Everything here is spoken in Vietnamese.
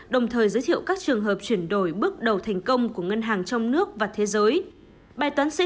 đồng thời giới thiệu các trường hợp chuyển đổi bước đầu thành công của ngân hàng trong nước và thế giới